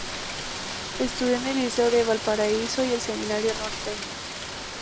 Estudió en el Liceo de Valparaíso y el Seminario porteño.